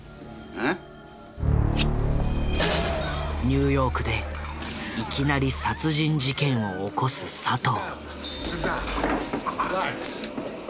ニューヨークでいきなり殺人事件を起こす佐藤。